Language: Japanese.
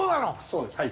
そうですはい。